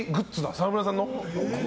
沢村さんの。